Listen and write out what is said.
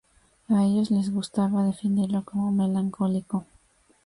A ellos les gustaba definirlo como melancólico.